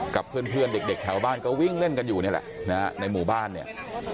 กับเพื่อนเด็กแถวบ้านก็วิ่งเล่นกันอยู่นี่แหละนะฮะในหมู่บ้านเนี่ย